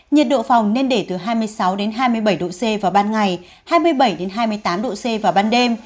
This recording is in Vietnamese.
nhiệt độ phòng nên để từ hai mươi sáu hai mươi bảy độ c vào ban ngày hai mươi bảy hai mươi tám độ c vào ban đêm